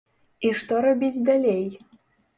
І што рабіць далей?